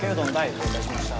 了解しました。